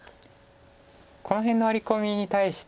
この辺のワリコミに対して。